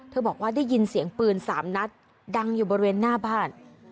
บอกว่าได้ยินเสียงปืน๓นัดดังอยู่บริเวณหน้าบ้าน